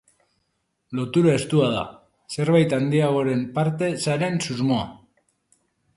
Lotura estua da, zerbait handiagoaren parte zaren susmoa.